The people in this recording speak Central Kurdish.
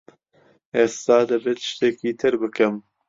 ئێستا دەبێت شتێکی تر بکەم.